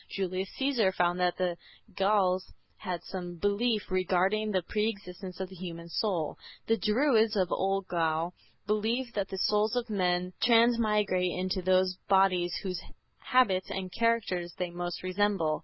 Julius Caesar found that the Gauls had some belief regarding the pre existence of the human soul. The Druids of old Gaul believed that the souls of men transmigrate into those bodies whose habits and characters they most resemble.